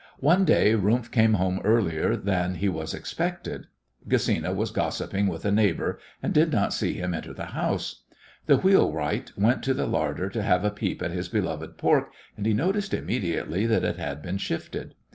One day Rumf came home earlier than he was expected. Gesina was gossiping with a neighbour, and did not see him enter the house. The wheelwright went to the larder to have a peep at his beloved pork, and he noticed immediately that it had been shifted.